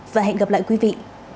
và hẹn gặp lại quý vị